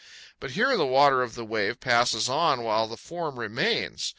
But here the water of the wave passes on while the form remains.